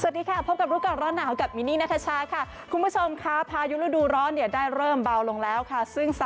มีลูกก่อนร้อนหนาวกับมินนินาทัชชะคุณผู้ชมค่ะพายุฤดูร้อนเนี่ยได้เริ่มเบาลงโล่งแล้วค่ะซึ่ง